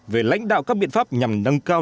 về lãnh đạo các biện pháp nhằm nâng cao